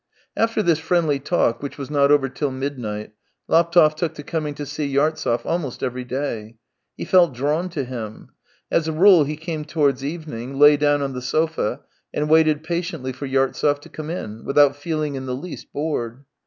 After this friendly talk, which was not over till midnight, Laptev took to coming to see Yartsev almost every day. He felt drawn to him. As a rule he came towards evening, lay down on the sofa, and waited patiently for Yartsev to come in, without feeling in the least bored.